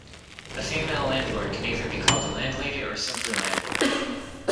A female landlord can either be called a "landlady" or simply landlord.